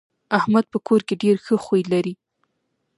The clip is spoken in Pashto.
احمد په کور کې ډېر ښه خوی لري.